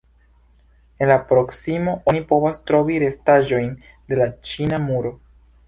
En la proksimo, oni povas trovi restaĵojn de la Ĉina muro.